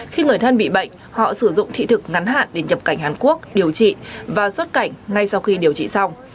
khi người thân bị bệnh họ sử dụng thị thực ngắn hạn để nhập cảnh hàn quốc điều trị và xuất cảnh ngay sau khi điều trị xong